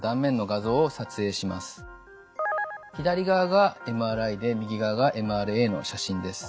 左側がＭＲＩで右側がＭＲＡの写真です。